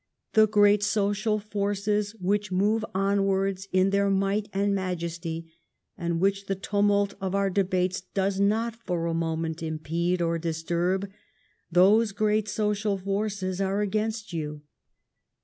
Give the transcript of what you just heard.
The great social forces which move onwards in their might and majesty, and which the tumult of our debates does not for a moment impede or disturb — those great social forces are against you.